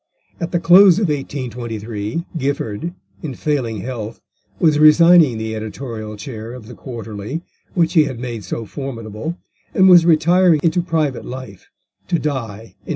At the close of 1823 Gifford, in failing health, was resigning the editorial chair of the Quarterly, which he had made so formidable, and was retiring into private life, to die in 1826.